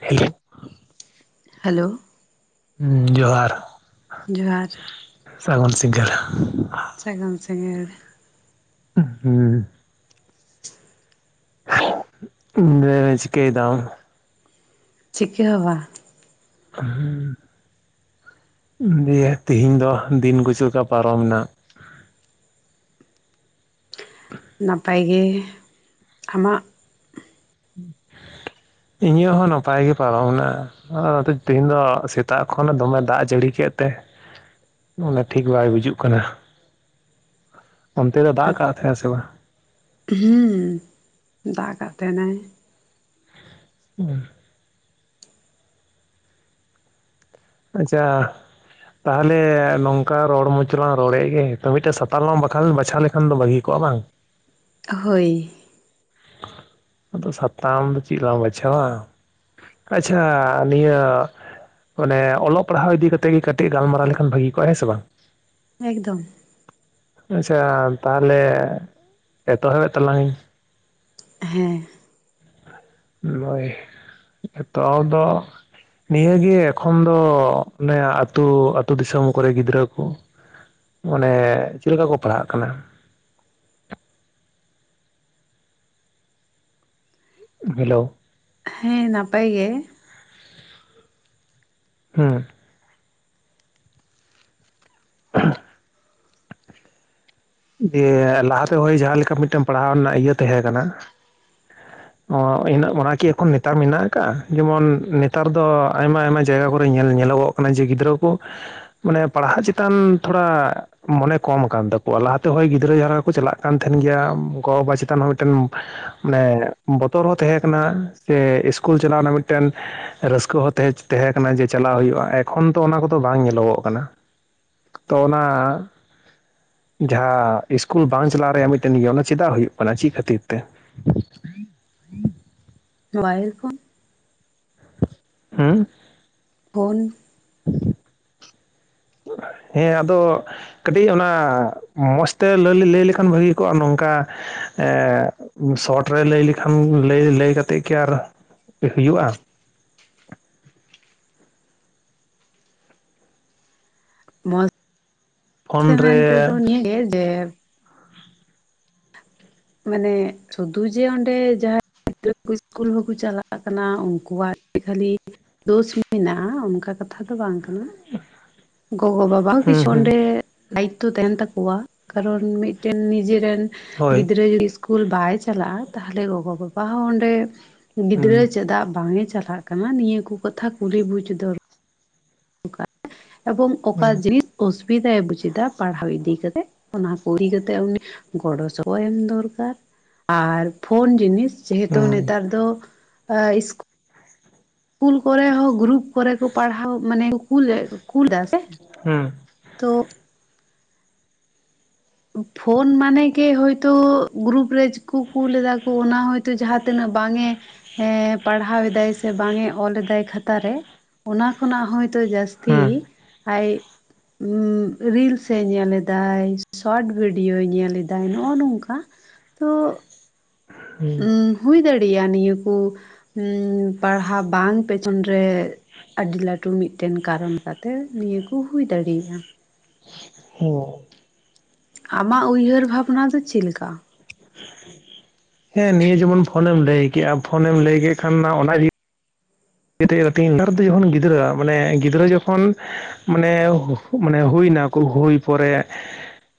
Hello, [unintelligible] hello? ᱦᱮᱸ, ᱡᱚᱦᱟᱨ ᱡᱚᱦᱟᱨ, ᱥᱟᱜᱩᱱ ᱥᱤᱜᱟᱹᱨ [unintelligible] ᱥᱟᱜᱟᱢ ᱥᱤᱸᱜᱟᱹᱲ, [unintelligible] ᱦᱮᱸ ᱚ [inaudible] [unintelligible] ᱤ ᱪᱤᱠ ᱫᱟᱢ? ᱪᱤᱠᱟᱹ ᱦᱚ ᱵᱟᱝ᱾ [unintelligible] ᱫᱤᱭᱮ ᱛᱮᱤᱦᱤᱧ ᱫᱚ ᱫᱤᱱ ᱜᱩᱪᱩ ᱞᱮᱠᱟ ᱯᱟᱨᱚᱢᱮᱱᱟ? ᱱᱟᱯᱟᱭ ᱜᱮ ᱟᱢᱟᱜ? [unintelligible] ᱤᱧᱟᱹᱜ ᱦᱚᱸ ᱱᱟᱯᱟᱭ ᱜᱮ ᱯᱟᱨᱚᱢᱮᱱᱟ᱾ ᱚ ᱛᱮᱤᱦᱤᱧ ᱫᱚ ᱥᱮᱛᱟᱜ ᱠᱷᱚᱱ ᱫᱚᱢᱮ ᱫᱟᱜ ᱡᱟᱹᱲᱤ ᱠᱮᱫ ᱛᱮ, ᱢᱚᱱᱟ ᱴᱷᱤᱠ ᱵᱟᱭ ᱵᱩᱡᱩᱜ ᱠᱟᱱᱟ᱾ ᱚ [inaudible] ᱚᱱᱛᱮ ᱫᱚ ᱫᱟᱜᱠᱟᱜ ᱛᱟᱦᱮᱜ ᱟᱭᱥᱮ ᱵᱟᱝ? ᱦᱩ ᱫᱟᱜ ᱠᱟᱜ ᱛᱟᱦᱮᱱᱟᱭ᱾ ᱦᱩᱸ [unintelligible] ᱟᱪᱪᱷᱟ, ᱛᱟᱦᱚᱞᱮ ᱱᱚᱝᱠᱟ ᱨᱚᱲ ᱢᱚᱡᱽᱞᱟᱝ ᱨᱚᱲᱮᱫ ᱜᱮ, ᱛᱚ ᱢᱤᱫᱴᱮᱡ ᱥᱟᱛᱟᱞ ᱞᱟᱝᱠᱷ ᱵᱟᱪᱷᱟᱣ ᱞᱮᱠᱷᱟᱱ ᱫᱚ ᱵᱷᱟᱹᱜᱤ ᱠᱚᱜᱼᱟ ᱵᱟᱝ᱾ ᱦᱳᱭ, ᱟᱫᱚ ᱥᱟᱛᱟᱢ ᱫᱚ ᱪᱮᱫ ᱞᱟᱝ ᱵᱟᱪᱷᱟᱣᱟ᱾ ᱟᱪᱪᱷᱟ ᱱᱤᱭᱟᱹ, ᱢᱟᱱᱮ ᱚᱞᱚᱜ ᱯᱟᱲᱦᱟᱣ ᱤᱫᱤᱠᱟ ᱠᱟᱛᱮᱜ ᱜᱮ ᱠᱟᱹᱴᱤᱡ ᱜᱟᱞᱢᱟᱨᱟᱣ ᱞᱮᱠᱷᱟᱱ ᱵᱷᱟᱹᱜᱤ ᱠᱚᱜᱼᱟ ᱦᱮᱸ ᱥᱮ ᱵᱟᱝ? ᱮᱠᱫᱚᱢ᱾ ᱟᱪᱪᱷᱟ ᱛᱟᱦᱚᱞᱮ ᱮᱛᱚᱦᱚᱵᱮᱫ ᱛᱟᱞᱟᱝ ᱟᱹᱧ᱾ ᱦᱮᱸ, ᱦᱚᱭ [unintelligible] ᱛᱚᱞ ᱫᱚ, ᱱᱤᱭᱟᱹᱟᱹᱜᱮ ᱮᱠᱷᱚᱱ ᱫᱚ ᱚᱱᱮ ᱟ ᱟᱹᱛᱩ ᱟᱛᱳ ᱫᱤᱥᱚᱢ ᱠᱚᱨᱮ ᱜᱤᱫᱽᱨᱟᱹ ᱠᱚ ᱢᱚᱱᱮ ᱪᱮᱫ ᱞᱮᱠᱟ ᱠᱚ ᱯᱟᱲᱦᱟᱜ ᱠᱟᱱᱟ? ᱦᱮᱞᱳ? ᱦᱮᱸ ᱱᱟᱯᱟᱭ ᱜᱮ ᱦᱮᱸ ᱦ ᱫᱤᱭᱮ ᱞᱟᱦᱟᱛᱮ ᱦᱳᱭ ᱡᱟᱦᱟᱸᱞᱮᱠᱟ ᱢᱤᱫᱴᱮᱱ ᱯᱟᱲᱦᱟᱣ ᱨᱮᱱᱟᱜ ᱤᱭᱟᱹ ᱛᱟᱦᱮᱸ ᱠᱟᱱᱟ ᱤ ᱚ ᱚᱦᱮᱱᱟᱜ ᱢᱚᱨᱥ ᱠᱤ ᱮᱠᱷᱚᱱ ᱱᱮᱛᱟᱨ ᱢᱮᱱᱟᱜ ᱟᱠᱟᱟᱜᱼᱟ ᱡᱮᱢᱚᱱ ᱱᱮᱛᱟᱨ ᱫᱚ ᱟᱭᱢᱟ ᱟᱭᱢᱟ ᱡᱟᱭᱜᱟ ᱠᱚᱨᱮ ᱧᱮᱞ ᱧᱮᱞᱚᱜᱚᱜ ᱠᱟᱱᱟ ᱚᱱᱮ ᱡᱮ ᱜᱤᱫᱽᱨᱟᱹ ᱠᱚ ᱢᱟᱱᱮ ᱯᱟᱲᱦᱟᱜ ᱪᱮᱛᱟᱱ ᱛᱷᱚᱲᱟ ᱢᱚᱱᱮ ᱠᱚᱢ ᱠᱟᱱ ᱛᱟᱠ ᱞᱟᱦᱟᱛᱮ ᱦᱚᱭ ᱜᱤᱫᱽᱨᱟᱹ ᱡᱟᱦᱟ ᱞᱮᱠᱟ ᱠᱚ ᱪᱟᱞᱟᱜ ᱠᱟᱱ ᱛᱟᱦᱮᱱ ᱜᱮᱭᱟ ᱜᱚᱼᱵᱟᱵᱟ ᱪᱮᱛᱟᱱ ᱦᱚᱸ ᱢᱤᱫᱴᱮᱱ ᱢᱟᱱᱮ ᱵᱚᱛᱚᱨ ᱦᱚᱸ ᱛᱟᱦᱮᱸ ᱠᱟᱱᱟ ᱥᱮ ᱤᱥᱠᱩᱞ ᱪᱟᱞᱟᱣ ᱨᱮᱱᱟᱜ ᱢᱤᱫᱴᱮᱱ ᱨᱟᱹᱥᱠᱟᱹ ᱦᱚᱸ ᱛᱟᱦᱮᱪ ᱛᱟᱦᱮᱸ ᱠᱟᱱᱟ ᱡᱮ ᱪᱟᱞᱟᱜ ᱦᱩᱭᱩᱜᱼᱟ ᱮᱠᱷᱚᱱ ᱛᱚ ᱚᱱᱟ ᱠᱚᱫᱚ ᱵᱟᱝ ᱧᱮᱞᱚᱜᱚᱜ ᱠᱟᱱᱟ ᱦ ᱛᱚ ᱚᱱᱟ ᱡᱟᱦᱟᱸᱦᱟ ᱤᱥᱠᱩᱞ ᱵᱟᱝ ᱪᱟᱞᱟᱜ ᱨᱮᱭᱟᱜ ᱢᱤᱫᱴᱮᱱ ᱤᱭᱟᱹ ᱚᱱᱥ ᱪᱮᱫᱟᱜ ᱦᱩᱭᱩᱜ ᱠᱟᱱᱟ ᱪᱮᱫ ᱠᱷᱟᱹᱛᱤᱨ ᱛᱮ? ᱢᱚᱵᱟᱭᱤᱞ ᱠᱷᱚᱱ ᱦᱩ ᱯᱷᱳᱱ ᱦᱮᱸ ᱟᱫᱚ ᱠᱟᱹᱴᱤᱡ ᱚᱱᱟ ᱢᱚᱡᱽ ᱛᱮ ᱞᱟᱹᱭ ᱞᱮᱠᱷᱟᱱ ᱵᱷᱟᱹᱜᱤ ᱠᱚᱜᱼᱟ ᱱᱚᱝᱠᱟ ᱮ ᱥᱚᱴ ᱨᱮ ᱞᱟᱹᱭ ᱞᱮᱠᱷᱟᱱ ᱞᱟᱹᱭ ᱠᱟᱛᱮ ᱜᱤ ᱟᱨ ᱦᱩᱭᱩᱜᱼᱟ ᱢᱚᱡ ᱛᱮ ᱯᱷᱳᱱ ᱨᱮ ᱢᱮᱱᱛᱮᱛᱚ ᱱᱤᱭᱟᱹ ᱜᱮ ᱡᱮ ᱢᱟᱱᱮ ᱥᱩᱫᱷᱩ ᱡᱮ ᱚᱸᱰᱮ ᱡᱟᱦᱟᱸ [inaudible] ᱥᱤᱥᱠᱩᱞ ᱦᱚᱸᱠᱚ ᱪᱟᱞᱟᱜ ᱠᱟᱱᱟ ᱩᱱᱠᱩᱣᱟᱜ ᱠᱷᱟᱹᱞᱤ ᱫᱳᱥ ᱢᱮᱱᱟᱜᱼᱟ ᱚᱱᱠᱟ ᱠᱟᱛᱷᱟ ᱫᱚ ᱵᱟᱝ ᱠᱟᱱᱟ ᱜᱚᱜᱚ ᱵᱟᱵᱟ ᱦᱚᱸ ᱦᱩᱸ ᱠᱤᱪᱷᱩ ᱦᱩᱸ ᱚᱸᱰᱮ ᱫᱟᱭᱤᱛᱛᱚ ᱛᱟᱦᱮᱱ ᱛᱟᱠᱚᱣᱟ ᱠᱟᱨᱚᱱ ᱢᱤᱫᱴᱮᱱ ᱱᱤᱡᱮᱨᱮᱱ ᱦᱳᱭ ᱜᱤᱫ ᱜᱤᱫᱽᱨᱟᱹ ᱡᱩᱫᱤ ᱤᱥᱠᱩᱞ ᱵᱟᱭ ᱪᱟᱞᱟᱜᱼᱟ ᱛᱟᱦᱞᱮ ᱜᱚᱜᱚ ᱵᱟᱵᱟ ᱦᱚᱸ ᱚᱸᱰᱮ ᱦᱩᱸ ᱜᱤᱫᱽᱨᱟᱹ ᱪᱮᱫᱟᱜ ᱵᱟᱝᱮ ᱪᱟᱞᱟᱜ ᱠᱟᱱᱟ ᱱᱤᱭᱟᱹ ᱠᱚ ᱠᱟᱛᱷᱟ ᱠᱩᱞᱤ ᱵᱩᱡ ᱫᱚᱨ ᱮᱵᱚᱝ ᱚᱠᱟ ᱦᱩᱸ ᱡᱤᱱᱤᱥ ᱚᱥᱩᱵᱤᱫᱷᱟᱭ ᱵᱩᱡ ᱮᱫᱟ ᱯᱟᱲᱦᱟᱣ ᱤᱫᱤ ᱠᱟᱛᱮᱫ ᱚᱱᱟ ᱠᱚ ᱤᱫᱤ ᱠᱟᱛᱮᱫ ᱩᱱᱤ ᱜᱚᱲᱚ ᱥᱚᱦᱚᱫ ᱮᱢ ᱫᱚᱨᱠᱟᱨ ᱟᱨ ᱯᱷᱳᱱ ᱡᱤᱱᱤᱥ ᱡᱮᱦᱮᱛᱩ ᱦᱩᱸ ᱱᱮᱛᱟᱨ ᱫᱚ ᱮ ᱤᱥ ᱠᱩᱞ ᱠᱚᱨᱮ ᱦᱚᱸ ᱜᱨᱩᱯ ᱠᱚᱨᱮ ᱠᱚ ᱯᱟᱲᱦᱟᱣ ᱢᱟᱱᱮ ᱠᱩᱞᱮ ᱠᱩᱞ ᱫᱟ ᱥᱮ ᱦᱩᱸ ᱛᱚ ᱯᱷᱳᱱ ᱢᱟᱱᱮ ᱜᱮ ᱦᱳᱭᱛᱳ ᱜᱨᱩᱯ ᱨᱮᱡᱠᱚ ᱠᱩᱞ ᱮᱫᱟ ᱠᱚ ᱚᱱᱟ ᱦᱳᱭᱛᱳ ᱡᱟᱦᱟᱸ ᱛᱤᱱᱟᱹᱜ ᱵᱟᱝ ᱮ ᱦᱮᱸ ᱯᱟᱲᱦᱟᱣ ᱮᱫᱟᱭ ᱥᱮ ᱵᱟᱝ ᱮ ᱚᱞᱮᱫᱟᱭ ᱠᱷᱟᱛᱟᱨ ᱨᱮ ᱚᱱᱟ ᱠᱷᱚᱱᱟᱜ ᱦᱚᱭᱛᱳ ᱡᱟᱹᱥᱛᱤ ᱦᱩᱸ ᱟᱡ ᱨᱤᱞᱥ ᱮ ᱧᱮᱞ ᱮᱫᱟᱭ᱾ ᱥᱚᱨᱚᱴ ᱵᱷᱤᱰᱭᱳ ᱧᱮᱞᱮᱫᱟᱭ ᱱᱚᱜᱚ ᱱᱚᱝᱠᱟ ᱛᱚ ᱦᱩᱸ ᱦᱩᱭ ᱫᱟᱲᱮᱭᱟᱜᱼᱟ ᱱᱤᱭᱟᱹ ᱠᱚ ᱯᱟᱲᱦᱟᱣ ᱵᱟᱝ ᱯᱮᱪᱷᱚᱱ ᱨᱮ ᱟᱹᱰᱤ ᱞᱟᱹᱴᱩ ᱢᱤᱫᱴᱮᱱ ᱠᱟᱨᱚᱱ ᱠᱟᱛᱮᱜ ᱱᱤᱭᱟᱹ ᱠᱚ ᱦᱩᱭ ᱫᱟᱲᱮᱭᱟ᱾ ᱦᱮ ᱟᱢᱟᱜ ᱩᱭᱦᱟᱹᱨ ᱵᱷᱟᱵᱽᱱᱟ ᱫᱚ ᱪᱮᱫ ᱞᱮᱠᱟ? ᱦᱮᱸ ᱱᱤᱭᱟᱹ ᱡᱮᱢᱚᱱ ᱯᱷᱳᱱᱮᱢ ᱞᱟᱹᱭ ᱠᱮᱫᱮᱜᱼᱟ ᱯᱷᱳᱱᱮᱢ ᱞᱟᱹᱭ ᱠᱮᱫ ᱠᱷᱟᱱ ᱚᱱᱟ ᱡᱤ [inaudible] ᱫᱚ ᱡᱚᱠᱷᱚᱱ ᱜᱤᱫᱽᱨᱟᱹᱜ ᱢᱟᱱᱮ ᱜᱤᱫᱽᱨᱟᱹ ᱡᱚᱠᱷᱚᱱ, ᱢᱟᱱᱮ ᱢᱟᱱᱮ ᱦᱩᱭ ᱱᱟ ᱦᱩᱭ ᱯᱚᱨᱮ,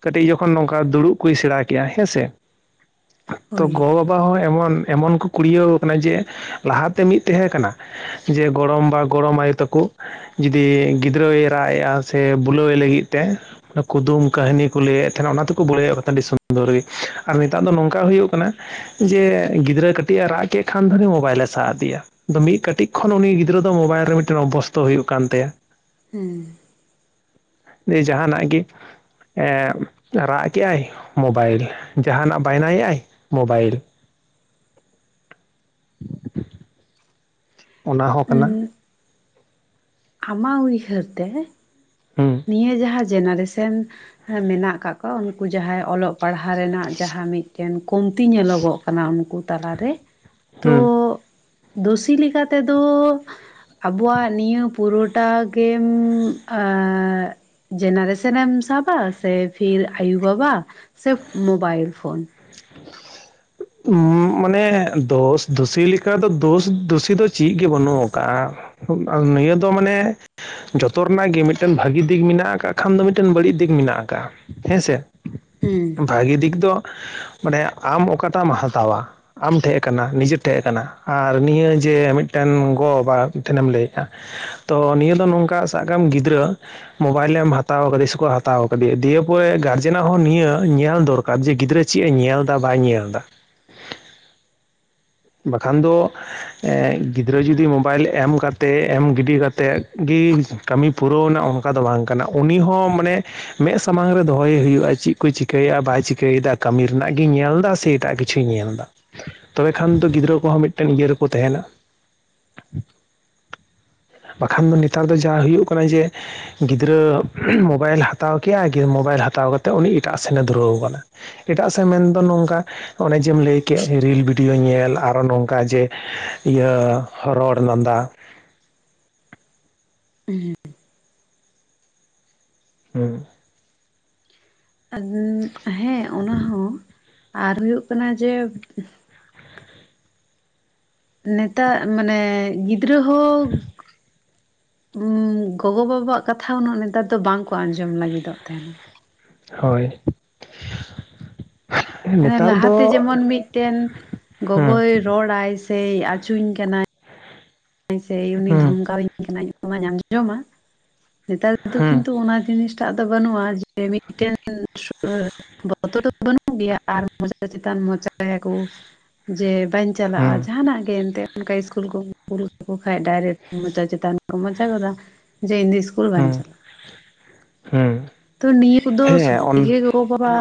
ᱠᱟᱹᱴᱤᱡ ᱡᱚᱠᱷᱚᱱ ᱱᱚᱝᱠᱟ ᱫᱩᱲᱩᱵ ᱠᱚᱭ ᱥᱮᱬᱟ ᱠᱮᱜᱼᱟ ᱦᱮᱸ ᱥᱮ? ᱛᱚ ᱦᱳᱭ ᱜᱚ ᱵᱟᱵᱟ ᱦᱚᱸ ᱮᱢᱚᱱ ᱮᱢᱚᱱ ᱠᱚ ᱠᱩᱲᱤᱭᱟᱹᱣ ᱠᱟᱱᱟ ᱡᱮ ᱞᱟᱦᱟᱛᱮ ᱢᱤᱫ ᱛᱟᱦᱮᱸ ᱠᱟᱱᱟ? ᱡᱮ ᱜᱚᱲᱚᱢ ᱵᱟ ᱜᱚᱲᱚᱢ ᱟᱭᱩ ᱛᱟᱠᱚ᱾ ᱡᱩᱫᱤ ᱜᱤᱫᱽᱨᱟᱹᱭ ᱨᱟᱜ ᱮᱼᱟᱜ ᱥᱮ ᱵᱩᱞᱟᱹᱣ ᱮ ᱞᱟᱹᱜᱤᱫ ᱛᱮ᱾ ᱠᱩᱫᱩᱢ ᱠᱟᱹᱦᱱᱤ ᱠᱚ ᱞᱟᱹᱭᱮᱫ ᱛᱟᱦᱮᱱᱟ ᱚᱱᱟ ᱛᱮᱠᱚ ᱵᱩᱞᱟᱹᱭᱮᱫ ᱛᱟᱦᱮᱸᱱᱟ ᱟᱹᱰᱤ ᱥᱩᱱᱫᱚᱨ ᱜᱮ ᱟᱨ ᱱᱮᱛᱟᱨ ᱫᱚ ᱱᱚᱝᱠᱟ ᱦᱩᱭᱩᱜ ᱠᱟᱱᱟ? ᱡᱮ ᱜᱤᱫᱽᱨᱟᱹ ᱠᱟᱹᱴᱤᱡ ᱮ ᱨᱟᱜ ᱠᱮᱫ ᱠᱷᱟᱱ ᱫᱷᱚᱨᱮ ᱢᱳᱵᱟᱭᱤᱞᱮ ᱥᱟᱵ ᱟᱫᱮᱭᱟ ᱫᱚ ᱢᱤᱫ ᱠᱟᱹᱴᱤᱡ ᱠᱟᱹᱴᱤᱡ ᱠᱷᱚᱱ ᱩᱱᱤ ᱜᱤᱫᱽᱨᱟᱹ ᱫᱚ ᱢᱳᱵᱟᱭᱤᱞ ᱨᱮ ᱢᱤᱫᱴᱮᱱ ᱚᱵᱚᱥᱛᱚ ᱦᱩᱭᱩᱜ ᱠᱟᱱ ᱛᱟᱭᱟ᱾ ᱦᱩᱸ, ᱡᱮ ᱡᱟᱦᱟᱱᱟᱜ ᱜᱮ, ᱨᱟᱜ ᱠᱮᱜᱼᱟᱭ ᱢᱚᱵᱟᱭᱤᱞ ᱡᱟᱦᱟᱱᱟᱜ ᱵᱟᱭᱱᱟᱭᱮᱜᱼᱟᱭ ᱢᱚᱵᱟᱭᱤᱞ᱾ ᱚᱱᱟ ᱦᱚᱸ ᱠᱟᱱᱟ᱾ ᱟᱢᱟᱜ ᱩᱭᱦᱟᱹᱨ ᱛᱮ᱾ ᱦᱩᱸ ᱱᱤᱭᱟᱹ ᱡᱟᱦᱟᱸ ᱡᱮᱱᱟᱨᱮᱥᱮᱱ ᱢᱮᱱᱟᱜ ᱟᱠᱟᱜ ᱠᱚᱣᱟ ᱩᱱᱠᱩ ᱡᱟᱦᱟᱸᱭ ᱚᱞᱚᱜ ᱯᱟᱲᱦᱟᱣ ᱨᱮᱱᱟᱜ ᱡᱟᱦᱟᱸ ᱢᱤᱫ ᱴᱮᱱ ᱠᱚᱢᱛᱤ ᱧᱮᱞᱚᱜᱚᱜ ᱠᱟᱱᱟ ᱩᱱᱠᱩ ᱛᱟᱞᱟᱨᱮ ᱛᱚ, ᱦᱩᱸ ᱫᱩᱥᱤ ᱞᱮᱠᱟ ᱛᱮᱫᱚ, ᱟᱵᱚᱣᱟᱜ ᱱᱤᱭᱟᱹ ᱯᱩᱨᱚᱴᱟ ᱜᱮᱢ ᱟ ᱡᱮᱱᱟᱨᱮᱥᱮᱱ ᱮᱢ ᱥᱟᱵᱟ ᱥᱮ ᱯᱷᱤᱨ ᱟᱭᱩ ᱵᱟᱵᱟ᱾ ᱥᱮ ᱢᱳᱵᱟᱭᱤᱞ ᱯᱷᱳᱱ᱾ [unintelligible] ᱢᱟᱱᱮ ᱫᱳᱥ ᱫᱩᱥᱤ ᱞᱮᱠᱟ ᱫᱚ ᱫᱳᱥ ᱫᱩᱥᱤ ᱫᱚ ᱪᱮᱫ ᱜᱮ ᱵᱟᱹᱱᱩᱜ ᱠᱟᱜᱼᱟ᱾ ᱱᱤᱭᱟᱹ ᱫᱚ ᱢᱟᱱᱮ, ᱡᱚᱛᱚ ᱨᱮᱱᱟᱜ ᱜᱮ ᱢᱤᱫᱴᱮᱱ ᱵᱷᱟᱹᱜᱤ ᱫᱤᱠ ᱢᱮᱱᱟᱜ ᱠᱟᱜ ᱠᱷᱟᱱ ᱫᱚ ᱢᱤᱫᱴᱮᱱ ᱵᱟᱹᱲᱤᱡᱽ ᱫᱤᱠ ᱢᱮᱱᱟᱜ ᱠᱟᱜᱼᱟ᱾ ᱦᱮᱸ ᱥᱮ? ᱦᱩᱸ, ᱵᱷᱟᱜᱤ ᱫᱤᱠ ᱫᱚ, ᱢᱟᱱᱮ ᱟᱢ ᱚᱠᱟᱴᱟᱜ ᱮᱢ ᱦᱟᱛᱟᱣᱟ᱾ ᱟᱢ ᱴᱷᱮᱡ ᱠᱟᱱᱟ, ᱱᱤᱡᱮ ᱴᱷᱮᱡ ᱠᱟᱱᱟ, ᱟᱨ ᱱᱤᱭᱟᱹ ᱡᱮ ᱢᱤᱫᱴᱮᱱ ᱜᱚ ᱵᱟᱵᱟ ᱴᱷᱮᱱᱮᱢ ᱞᱟᱹᱭᱮᱫᱼᱟ᱾ ᱛᱚ ᱱᱤᱭᱟᱹ ᱫᱚ ᱱᱚᱝᱠᱟ ᱥᱟᱵᱽ ᱠᱟᱢ ᱜᱤᱫᱽᱨᱟᱹ ᱢᱳᱵᱟᱭᱤᱞᱮᱢ ᱦᱟᱛᱟᱣ ᱠᱟᱫᱮᱭᱟ ᱥᱮ ᱠᱚ ᱦᱟᱛᱟᱣ ᱠᱟᱫᱮᱭᱟ, ᱫᱤᱭᱮ ᱯᱚᱨᱮ ᱜᱟᱨᱡᱮᱱᱟᱜ ᱦᱚᱸ ᱱᱤᱭᱟᱹ ᱧᱮᱞ ᱫᱚᱨ ᱠᱟᱨ ᱡᱮ ᱜᱤᱫᱽᱨᱟᱹ ᱪᱮᱫ ᱮ ᱧᱮᱞ ᱫᱟ ᱵᱟᱭ ᱧᱮᱞ ᱫᱟ᱾ ᱵᱟᱠᱷᱟᱱ ᱫᱚ ᱜᱤᱫᱽᱨᱟᱹ ᱡᱩᱫᱤ ᱢᱳᱵᱟᱭᱤᱞ ᱮᱢ ᱠᱟᱛᱮᱫ ᱮᱢ ᱜᱤᱰᱤ ᱠᱟᱛᱮᱫ ᱜᱤ ᱠᱟᱹᱢᱤ ᱯᱩᱨᱟᱹᱣ ᱱᱟ ᱚᱝᱠᱟ ᱫᱚ ᱵᱟᱝ ᱠᱟᱱᱟ ᱩᱱᱤ ᱦᱚᱸ ᱢᱟᱱᱮ ᱢᱮᱫ ᱥᱟᱢᱟᱝ ᱨᱮ ᱫᱚᱦᱚᱭᱮ ᱦᱩᱭᱩᱜᱼᱟ ᱪᱤᱫ ᱠᱚ ᱪᱤᱠᱟᱹᱭᱮᱜᱼᱟ ᱵᱟᱭ ᱪᱤᱠᱟᱹᱭ ᱫᱟ ᱠᱟᱹᱢᱤ ᱨᱮᱱᱟᱜ ᱜᱮ ᱧᱮᱞ ᱫᱟ ᱥᱮ? ᱮᱴᱟᱜ ᱠᱤᱪᱷᱩᱭ ᱧᱮᱞᱫᱟ᱾ ᱠᱷᱟᱱ ᱫᱚ ᱜᱤᱫᱽᱨᱟᱹ ᱠᱚᱦᱚᱸ ᱢᱤᱫᱴᱮᱱ ᱤᱭᱟᱹ ᱨᱮᱠᱚ ᱛᱟᱦᱮᱱᱟ᱾ ᱵᱟᱠᱷᱟᱱ ᱫᱚ ᱱᱮᱛᱟᱨ ᱫᱚ ᱡᱟ ᱦᱩᱭᱩᱜ ᱠᱟᱱᱟ ᱡᱮ ᱜᱤᱫᱽᱨᱟᱹ ᱩᱸᱢ ᱢᱳᱵᱟᱭᱤᱞ ᱦᱟᱛᱟᱣ ᱠᱮᱜᱼᱟᱭ ᱢᱳᱵᱟᱭᱤᱞ ᱦᱟᱛᱟᱣ ᱠᱟᱛᱮᱜ ᱩᱱᱤ ᱮᱴᱟᱜ ᱥᱮᱱᱮ ᱫᱷᱩᱨᱟᱹᱣ ᱠᱟᱱᱟ᱾ ᱮᱴᱟᱜ ᱥᱮᱜ ᱢᱮᱱ ᱫᱚ ᱱᱚᱝᱠᱟ ᱚᱱᱮ ᱡᱮᱢ ᱞᱟᱹᱭ ᱠᱮᱫ ᱨᱤᱞ ᱵᱷᱤᱰᱭᱳ ᱧᱮᱞ ᱟᱨᱚ ᱱᱚᱝᱠᱟ ᱡᱮ ᱤᱭᱟᱹ ᱨᱚᱲ ᱞᱟᱸᱫᱟ᱾ ᱦᱩᱸ, ᱦᱩᱸ, ᱟᱫᱩᱸ ᱦᱮᱸ ᱚᱱᱟ ᱦᱚᱸ ᱟᱨ ᱦᱩᱭᱩᱜ ᱠᱟᱱᱟ ᱡᱮ ᱱᱮᱛᱟ ᱢᱟᱱᱮ ᱜᱤᱫᱽᱨᱟᱹ ᱦᱚᱸ ᱜᱚᱜᱚ ᱵᱟᱵᱟᱣᱟᱜ ᱠᱟᱛᱷᱟ ᱩᱱᱟᱹᱜ ᱱᱮᱛᱟᱨ ᱫᱚ ᱵᱟᱝ ᱠᱚ ᱟᱸᱡᱚᱢ ᱞᱟᱹᱜᱤᱫ ᱚᱜ ᱛᱟᱦᱮᱱᱟ᱾ ᱦᱳᱭ᱾ ᱦᱟᱱᱮ ᱱᱮᱛᱟᱨ ᱞᱟᱦᱟ ᱫᱚ ᱛᱮ ᱡᱮᱢᱚᱱ ᱢᱤᱫᱴᱮᱱ ᱦᱩᱸ ᱜᱚᱜᱚᱭ ᱨᱚᱲᱟᱭ ᱥᱮᱭ ᱟᱪᱩᱧ ᱠᱟᱱᱟᱭ ᱥᱮ ᱩᱱᱤ ᱦᱩᱸ ᱫᱷᱚᱢᱠᱟᱣ ᱤᱧ ᱠᱟᱱᱟᱭ ᱚᱱᱟᱧ ᱟᱸᱡᱚᱢᱟ, ᱱᱮᱛᱟᱨ ᱫᱚ ᱦᱩᱸ ᱠᱤᱱᱛᱩ ᱚᱱᱟ ᱡᱤᱱᱤᱥ ᱴᱟᱜ ᱫᱚ ᱵᱟᱹᱱᱩᱜᱼᱟ ᱡᱮ ᱢᱤᱫᱴᱮᱱ [unintelligible] ᱵᱚᱛᱚᱨ ᱫᱚ ᱵᱟᱹᱱᱩᱜ ᱜᱮᱭᱟ ᱟᱨ ᱢᱚᱪᱟ ᱪᱮᱛᱟᱱ ᱢᱚᱪᱟᱭᱟ ᱠᱚ ᱡᱮ ᱵᱟᱹᱧ ᱪᱟᱞᱟᱜᱼᱟ ᱦᱩᱸ ᱡᱟᱦᱟᱱᱟᱜ ᱜᱮ ᱮᱱᱛᱮᱫ ᱚᱱᱠᱟ ᱤᱥᱠᱩᱞ ᱠᱚ᱾ ᱠᱩᱞ ᱠᱟᱠᱚ ᱠᱷᱟᱡ ᱰᱟᱭᱨᱮᱠᱴ ᱢᱚᱡᱟ ᱪᱮᱛᱟᱱ ᱠᱚ ᱢᱚᱡᱟ ᱜᱚᱫᱟ ᱡᱮ ᱤᱧ ᱫᱚ ᱤᱥ ᱯᱩᱨᱟᱹ ᱵᱟᱧ ᱦᱩᱸ ᱪᱟᱞᱟᱜᱼᱟ ᱦᱩᱸ ᱛᱚ ᱱᱤᱭᱟᱹ ᱠᱚᱫᱚ ᱦᱮᱸ ᱥᱚᱛᱤ ᱚᱱ ᱜᱮ ᱜᱚᱜᱚ ᱵᱟᱵᱟ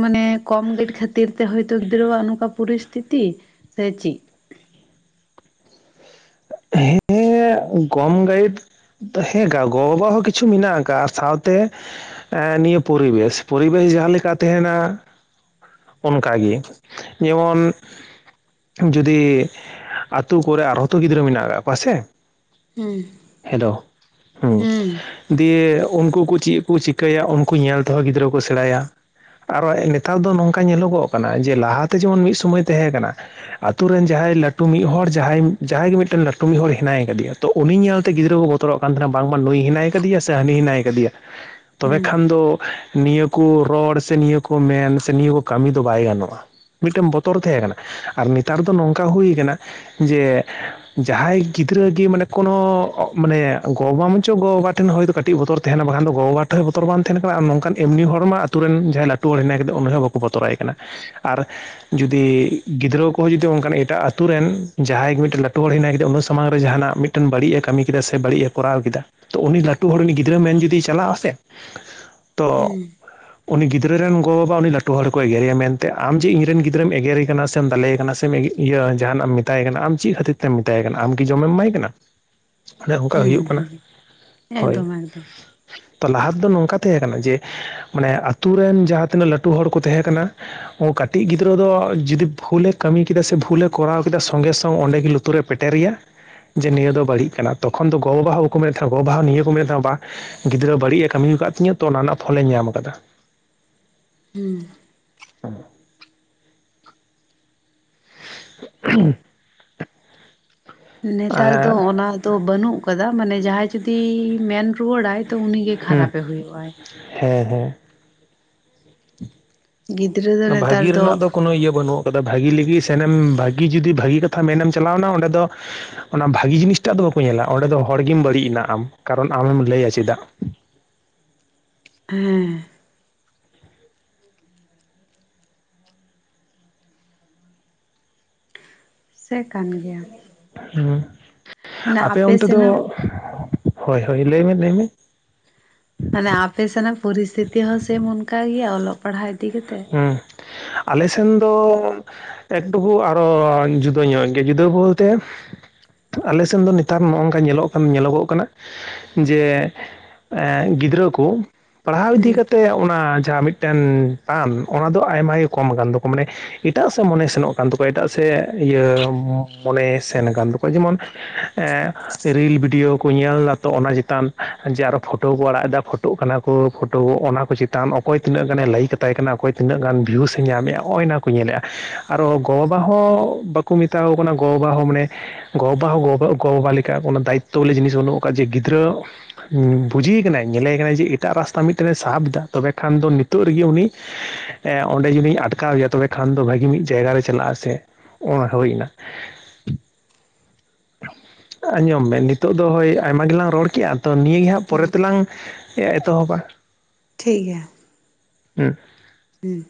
ᱢᱟᱱᱮ ᱠᱚᱢ ᱜᱟᱭᱤᱰ ᱠᱷᱟᱹᱛᱤᱨ ᱛᱮ ᱦᱳᱭ ᱛᱚ ᱜᱤᱫᱽᱨᱟᱹᱣᱟᱜ ᱱᱚᱝᱠᱟ ᱯᱚᱨᱤᱥᱛᱤᱛᱤ ᱥᱮ ᱪᱤᱫ? ᱦᱮᱸ ᱠᱚᱢ ᱜᱟᱭᱤᱰ ᱦᱮᱸᱠᱟ ᱜᱚ ᱵᱟᱵᱟ ᱦᱚᱸ ᱠᱤᱪᱷᱩ ᱢᱮᱱᱟᱜ ᱟᱠᱟᱜ-ᱟ ᱥᱟᱶᱛᱮ ᱮᱸᱻᱱᱤᱭᱟᱹ ᱯᱚᱨᱤᱵᱮᱥ, ᱯᱚᱨᱤᱵᱮᱥ ᱡᱟᱦᱟ ᱞᱮᱠᱟ ᱛᱟᱸᱦᱮᱱᱟ ᱚᱱᱠᱟᱜᱮ ᱡᱮᱢᱚᱱ ᱡᱩᱫᱤ ᱟᱹᱛᱩ ᱠᱚᱨᱮ ᱟᱨ ᱦᱚᱸ ᱛᱚ ᱜᱤᱫᱽᱨᱟᱹ ᱢᱮᱱᱟᱜ ᱠᱟᱜ ᱠᱚᱣᱟ ᱥᱮ ᱦᱩᱸ᱾ ᱦᱮᱞᱳ ᱦᱩᱸ᱾ ᱫᱤᱭᱮ ᱩᱱᱠᱩ ᱠᱚ ᱪᱮᱫ ᱠᱚ ᱪᱤᱠᱟᱹᱭᱟ ᱩᱱᱠᱩ ᱧᱮᱞ ᱛᱮᱦᱚᱸ ᱜᱤᱫᱽᱨᱟᱹ ᱠᱚ ᱥᱮᱲᱟᱭ-ᱟ᱾ ᱟᱨᱚ ᱮ ᱱᱮᱛᱟᱨ ᱫᱚ ᱱᱚᱝᱠᱟ ᱧᱮᱞᱚ ᱜᱚᱜ ᱠᱟᱱᱟ ᱡᱮ ᱞᱟᱦᱟ ᱛᱮ ᱡᱮᱢᱚᱱ ᱢᱤᱫ ᱥᱚᱢᱚᱭ ᱛᱟᱦᱮᱸ ᱠᱟᱱᱟ ᱟᱛᱩ ᱨᱮᱱ ᱡᱟᱦᱟᱭ ᱞᱟᱹᱴᱩ ᱢᱤᱫ ᱦᱚᱲ ᱡᱟᱦᱟᱭ ᱡᱟᱦᱟᱭ ᱜᱮ ᱢᱤᱫᱴᱮᱱ ᱞᱟᱹᱴᱩ ᱢᱤᱫ ᱦᱚᱲ ᱦᱮᱱᱟᱭᱟ ᱠᱟᱫᱮᱭᱟ ᱛᱚ ᱩᱱᱤ ᱧᱮᱞᱛᱮ ᱜᱤᱫᱽᱨᱟᱹ ᱠᱚ ᱵᱚᱛᱚᱨᱚᱜ ᱠᱟᱱ ᱛᱟᱦᱮᱱᱟ ᱵᱟᱝ ᱢᱟ ᱱᱩᱭ ᱦᱮᱱᱟᱭ ᱠᱟᱹᱫᱤᱭᱟ ᱥᱮ ᱦᱟᱱᱤ ᱦᱮᱱᱟᱭ ᱠᱟᱫᱤᱭᱟ [unintelligible] ᱛᱚᱵᱮ ᱠᱷᱟᱱ ᱫᱚ ᱱᱤᱭᱟᱹ ᱠᱚ ᱨᱚᱲ ᱥᱮ ᱱᱤᱭᱟᱹ ᱠᱚ ᱢᱮᱱ ᱥᱮ ᱱᱤᱭᱟᱹ ᱠᱚ ᱠᱟᱹᱢᱤ ᱫᱚ ᱵᱟᱭ ᱜᱟᱱᱚᱜ-ᱟ᱾ ᱢᱤᱫᱴᱮᱱ ᱵᱚᱛᱚᱨ ᱛᱟᱦᱮᱸ ᱠᱟᱱᱟ᱾ ᱟᱨ ᱱᱮᱛᱟᱨ ᱫᱚ ᱱᱚᱝᱠᱟ ᱦᱩᱭ ᱠᱟᱱᱟ ᱡᱮ [unintelligible] ᱡᱟᱦᱟᱭ ᱜᱤᱫᱽᱨᱟᱹ ᱜᱮ ᱢᱟᱱᱮ ᱠᱳᱱᱚ ᱢᱟᱱᱮ ᱜᱚ ᱵᱟ ᱢᱟᱪᱚ ᱜᱚ ᱵᱟᱵᱟ ᱴᱷᱮᱱ ᱦᱚᱭ ᱛᱚ ᱠᱟᱹᱴᱤᱡ ᱵᱚᱛᱚᱨ ᱛᱟᱦ ᱵᱟᱠᱷᱟᱱ ᱫᱚ ᱜᱚᱜᱚ ᱵᱟᱵᱟ ᱴᱷᱮᱱ ᱦᱚᱸ ᱵᱚᱛᱚᱨ ᱵᱟᱝᱱᱟ ᱵᱟᱠᱷᱟᱱ ᱫᱚ ᱜᱚ ᱵᱟᱵᱟ ᱴᱷᱮᱡ ᱵᱚᱛᱚᱨ ᱵᱟᱝ ᱛᱟᱦᱮᱱ ᱠᱟᱱᱟ᱾ ᱟᱨ ᱱᱚᱝᱠᱟᱱ ᱮᱢᱱᱤ ᱦᱚᱲ ᱢᱟ ᱟᱛᱩ ᱨᱮᱱ ᱡᱟᱦᱟᱭ ᱞᱟᱹᱴᱩ ᱦᱚᱲ ᱦᱮᱱᱟᱭ ᱠᱟᱫᱮ ᱩᱱᱤ ᱦᱚᱸ ᱵᱟᱠᱚ ᱵᱚᱛᱚᱨᱟᱭ ᱠᱟᱱᱟ᱾ ᱟᱨ ᱡᱩᱫᱤ ᱜᱤᱫᱽᱨᱟᱹ ᱠᱚᱦᱚᱸ ᱡᱩᱫᱤ ᱚᱱᱠᱟᱱ ᱮᱴᱟᱜ ᱟᱛᱳ ᱨᱮᱱ ᱡᱟᱦᱟᱭ ᱜᱮ ᱢᱤᱫᱴᱟᱱ ᱞᱟᱹᱴᱩ ᱦᱚᱲ ᱦᱮᱱᱟᱭ ᱠᱮᱫᱟ᱾ ᱩᱱᱟᱹ ᱦᱚᱲ ᱥᱟᱢᱟᱝ ᱨᱮ ᱡᱟᱦᱟᱱᱟᱜ ᱢᱤᱫᱴᱮᱱ ᱵᱟᱹᱲᱤᱡ ᱮ ᱠᱟᱹᱢᱤ ᱠᱮᱫᱟ ᱥᱮ ᱵᱟᱹᱲᱤᱡ ᱮ ᱠᱚᱨᱟᱣ ᱠᱮᱫᱟ᱾ ᱛᱚ ᱩᱱᱤ ᱞᱟᱹᱴᱩ ᱦᱚᱲ ᱜᱤᱫᱽᱨᱟᱹ ᱢᱮᱱ ᱡᱩᱫᱤᱭ ᱪᱟᱞᱟᱜ-ᱟ ᱥᱮ [inaudible] ᱛᱚ ᱩᱱᱤ ᱜᱤᱫᱽᱨᱟᱹ ᱨᱮᱱ ᱜᱚ ᱵᱟᱵᱟ ᱩᱱᱤ ᱞᱟᱹᱴᱩ ᱦᱚᱲ ᱠᱚ ᱮᱜᱨᱮᱭᱟ ᱢᱮᱱᱛᱮ ᱟᱢ ᱡᱮ ᱤᱧ ᱨᱮᱱ ᱜᱤᱫᱽᱟᱹᱢ ᱮᱜᱮᱨᱮ ᱠᱟᱱᱟ ᱥᱮᱢ ᱫᱟᱞᱮ ᱠᱟᱱᱟ ᱥᱮᱢ ᱤᱭᱟᱹ ᱡᱟᱦᱟᱱᱟᱜ ᱮᱢ ᱢᱮᱛᱟᱭ ᱠᱟᱱᱟ ᱟᱢ ᱪᱮᱫ ᱠᱷᱟᱹᱛᱤᱨ ᱛᱮᱢ ᱢᱮᱛᱟᱭ ᱠᱟᱱᱟ ᱟᱢ ᱠᱤ ᱡᱚᱢᱮᱢ ᱮᱢᱟᱭ ᱠᱟᱱᱟ? ᱚᱱᱮ ᱚᱱᱠᱟ ᱦᱩᱸ ᱦᱩᱭᱩᱜ ᱠᱟᱱᱟ ᱦᱩᱸ ᱦᱳᱭ ᱮᱠᱫᱚᱢ ᱮᱠᱫᱚᱢ ᱛᱚ ᱞᱟᱦᱟ ᱛᱮᱫᱚ ᱱᱚᱝᱠᱟ ᱛᱟᱦᱮᱸ ᱠᱟᱱᱟ ᱡᱮ ᱢᱟᱱᱮ ᱟᱛᱩ ᱨᱮᱱ ᱡᱟᱦᱟᱸ ᱛᱤᱱᱟᱹᱜ ᱞᱟᱹᱴᱩ ᱦᱚᱲ ᱠᱚ ᱛᱟᱦᱮᱸ ᱠᱟᱱᱟ᱾ ᱠᱟᱹᱴᱤᱡ ᱜᱤᱫᱽᱨᱟᱹ ᱫᱚ ᱡᱩᱫᱤ ᱵᱷᱩᱞᱮ ᱠᱟᱹᱢᱤ ᱠᱮᱫᱟ ᱥᱮ ᱵᱷᱩᱞᱮ ᱠᱚᱨᱟᱣ ᱠᱮᱫᱟ ᱥᱚᱸᱜᱮ ᱥᱚᱝ ᱛᱚ ᱚᱸᱰᱮ ᱜᱮ ᱞᱩᱛᱩᱨᱮ ᱯᱮᱴᱮᱨ ᱨᱮᱭᱟ ᱡᱮ ᱱᱤᱭᱟᱹ ᱫᱚ ᱵᱟᱹᱲᱤᱡ ᱠᱟᱱᱟ᱾ ᱛᱚᱠᱷᱚᱱ ᱫᱚ ᱜᱚ ᱵᱟᱵᱟ ᱵᱟᱠᱚ ᱢᱮᱱᱮᱫ ᱛᱟᱦᱮᱫᱟ ᱜᱚ ᱵᱟᱵᱟ ᱱᱤᱭᱟᱹ ᱠᱚ ᱢᱮᱱ ᱛᱟᱦᱮᱱᱟ ᱵᱟ ᱜᱤᱫᱽᱨᱟᱹ ᱵᱟᱹᱲᱤᱡ ᱮ ᱠᱟᱹᱢᱤ ᱟᱠᱟᱫ ᱛᱤᱧᱟᱹ ᱛᱚ ᱚᱱᱟ ᱨᱮᱱᱟᱜ ᱯᱷᱚᱞᱮᱧ ᱧᱟᱢ ᱟᱠᱟᱫᱟ ᱾ ᱦᱩᱸ᱾ [inaudible] [inaudible] ᱱᱮᱛᱟᱨ ᱫᱚ ᱚᱱᱟ ᱛᱚ ᱵᱟᱹᱱᱩᱜ ᱟᱠᱟᱫᱟ, ᱢᱟᱱᱮ ᱡᱟᱸᱦᱟᱸᱭ ᱡᱩᱫᱤ ᱢᱮᱱ ᱨᱩᱣᱟᱹᱲᱟᱭ ᱛᱚ ᱩᱱᱤ ᱜᱮ ᱦᱩᱸ ᱠᱷᱟᱨᱟᱯᱮ ᱦᱩᱭᱩᱜᱼᱟ ᱾ ᱦᱮᱸ ᱦᱮᱸ ᱜᱤᱫᱽᱨᱟᱹ ᱫᱚ ᱱᱮᱛᱟᱨ ᱵᱷᱟᱜᱤ ᱨᱮᱱᱟᱜ ᱫᱚ ᱠᱳᱱᱳ ᱤᱭᱟᱹ ᱵᱟᱹᱱᱩᱜ᱾ ᱵᱷᱟᱜᱤ ᱞᱟᱹᱜᱤᱫ ᱥᱮᱱᱮᱢ ᱵᱷᱟᱜᱤ ᱡᱩᱫᱤ ᱵᱷᱟᱹᱜᱤ ᱠᱟᱛᱷᱟ ᱢᱮᱱᱮᱢ ᱪᱟᱞᱟᱣᱮᱱᱟ ᱚᱸᱰᱮ ᱫᱚ ᱚᱱᱟ ᱵᱷᱟᱜᱤ ᱡᱤᱱᱤᱥᱴᱟᱜ ᱫᱚ ᱵᱟᱠᱚ ᱧᱮᱞᱟ ᱚᱸᱰᱮ ᱫᱚ ᱦᱚᱲᱜᱮᱢ ᱵᱟᱹᱲᱤᱡ ᱮᱱᱟ ᱟᱢ, ᱠᱟᱨᱚᱱ ᱟᱢᱮᱢ ᱞᱟᱹᱭᱟ ᱪᱮᱫᱟᱜ ᱾ ᱦᱮᱸ [unintelligible] ᱥᱮ ᱠᱟᱱ ᱜᱮᱭᱟ ᱾ ᱦᱮ ᱟᱯᱮ ᱚᱱᱛᱮ ᱫᱚ ᱥᱮᱱᱟᱜ ᱦᱳᱭ ᱦᱳᱭ ᱞᱟᱹᱭᱢ ᱞᱟᱹᱭᱢᱮ ᱾ ᱢᱟᱱᱮ ᱟᱯᱮᱥᱮᱱ ᱨᱮᱱᱟᱜ ᱯᱚᱨᱤᱥᱛᱷᱤᱛᱤ ᱦᱚᱸ ᱥᱮᱢ ᱚᱱᱠᱟ ᱜᱮᱭᱟ ᱚᱞᱚᱜ ᱯᱟᱲᱦᱟ ᱤᱫᱤ ᱠᱟᱛᱮᱜ ᱦᱮᱸ ᱟᱞᱮ ᱥᱮᱱ ᱫᱚ ᱮᱠᱴᱩᱠᱩ ᱟᱨᱚ ᱡᱩᱫᱟᱹ ᱧᱚᱜ ᱜᱮᱭᱟ, ᱡᱩᱫᱟᱹ ᱵᱚᱞᱛᱮ ᱟᱞᱮ ᱥᱮᱱ ᱫᱚ ᱱᱮᱛᱟᱨ ᱱᱚᱜᱼ ᱱᱚᱝᱠᱟ ᱧᱮᱞᱚᱜ ᱠᱟᱱ ᱧᱮᱞᱚᱜᱚᱜ ᱠᱟᱱᱟ ᱡᱮ ᱮ ᱜᱤᱫᱽᱨᱟᱹ ᱠᱚ ᱯᱟᱲᱦᱟᱣ ᱤᱫᱤ ᱦᱮᱸ ᱠᱟᱛᱮᱫ ᱚᱱᱟ ᱡᱟᱸᱦᱟᱸ ᱢᱤᱫᱴᱮᱱ ᱴᱟᱱ ᱚᱱᱟ ᱫᱚ ᱟᱭᱢᱟᱜ ᱜᱮ ᱠᱚᱢ ᱟᱠᱟᱱᱟ ᱛᱟᱠᱚᱣᱟ ᱢᱟᱱᱮ ᱮᱴᱟᱜ ᱥᱮᱫ ᱢᱚᱱᱮ ᱥᱮᱱᱚᱜ ᱠᱟᱱ ᱛᱟᱠᱚᱣᱟ ᱮᱴᱟᱜ ᱥᱮᱫ ᱤᱭᱟᱹ ᱢᱚᱱᱮ ᱥᱮᱱ ᱟᱠᱟᱱ ᱛᱟᱠᱚᱣᱟ ᱡᱮᱢᱚᱱ ᱨᱤᱞ ᱵᱷᱤᱰᱭᱳ ᱠᱚ ᱧᱮᱞ ᱫᱟ ᱛᱚ ᱚᱱᱟ ᱪᱮᱛᱟᱱ ᱡᱮ ᱟᱨᱚ ᱯᱷᱳᱴᱳ ᱠᱚ ᱟᱲᱟᱜ ᱮᱫᱟ ᱯᱷᱳᱴᱳ ᱴᱳᱜ ᱠᱟᱱᱟ ᱠᱚ ᱯᱷᱳᱴᱳ ᱚᱱᱟ ᱠᱚ ᱪᱮᱛᱟᱱ ᱚᱠᱚᱭ ᱛᱤᱱᱟᱹᱜ ᱜᱟᱱᱮ ᱞᱟᱹᱭᱤᱠ ᱟᱜ [inaudible] ᱠᱟᱱᱟ ᱚᱠᱚᱭ ᱛᱱᱟᱹ ᱜᱟᱱ ᱵᱷᱤᱭᱩᱥ ᱮ ᱧᱟᱢᱮᱫᱼᱟ, ᱱᱚᱜᱚᱭ ᱚᱱᱟ ᱠᱚ ᱧᱮᱞᱮᱜᱼᱟ ᱟᱨ ᱜᱚ-ᱵᱟᱵᱟ ᱦᱚᱸ [inaudible] ᱢᱮᱛᱟ ᱠᱩ ᱠᱟᱱᱟ ᱜᱚ-ᱵᱟᱵᱟ ᱦᱚᱸ ᱢᱟᱱᱮ ᱜᱚᱼᱵᱟ ᱦᱚᱸ ᱜᱚ-ᱵᱟ ᱜᱚᱼᱵᱟᱵᱟ ᱞᱮᱠᱟ ᱠᱳᱱᱳ ᱫᱟᱭᱤᱛᱛᱚ ᱵᱚᱞᱮ ᱡᱤᱱᱤᱥ ᱵᱟᱹᱱᱩᱜ ᱟᱠᱟᱫᱟ ᱡᱮ ᱜᱤᱫᱽᱨᱟᱹ ᱵᱩᱡᱷᱤ ᱮ ᱠᱟᱱᱟᱭ ᱧᱮᱞᱮ ᱠᱟᱱᱟᱭ ᱡᱮ ᱮᱴᱟᱜ ᱨᱟᱥᱛᱟ ᱢᱤᱫᱴᱮᱱᱮ ᱥᱟᱵ ᱮᱫᱟ ᱛᱚᱵᱮ ᱠᱷᱟᱱ ᱫᱚ ᱱᱤᱛᱚᱜ ᱨᱮᱜᱮ ᱩᱱᱤ ᱮ ᱚᱸᱰᱮ ᱡᱩᱫᱤᱧ ᱟᱴᱠᱟᱣᱮᱭᱟ ᱛᱚᱵᱮ ᱠᱷᱟᱱ ᱫᱚ ᱵᱷᱟᱹᱜᱤ ᱢᱤᱫ ᱡᱟᱭᱜᱟ ᱨᱮ ᱪᱟᱞᱟᱜ ᱟᱥᱮ ᱚᱱᱟ ᱦᱩᱭ ᱮᱱᱟ ᱾ ᱟᱸᱡᱚᱢ ᱢᱮ ᱱᱤᱛᱳᱜ ᱫᱚ ᱦᱳᱭ ᱟᱭᱢᱟ ᱜᱮᱞᱟᱝ ᱨᱚᱲ ᱠᱮᱜᱼᱟ ᱛᱚ ᱱᱤᱭᱟᱹ ᱜᱮ ᱦᱟᱸᱜ ᱯᱚᱨᱮ ᱛᱮᱞᱟᱝ ᱮ ᱮᱛᱚᱦᱚᱵᱟ ᱾ ᱴᱷᱤᱠ ᱜᱮᱭᱟ ᱾ ᱦᱩᱸ ᱦᱮᱸ